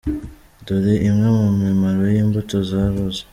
Dore imwe mu mimaro y’imbuto za roza.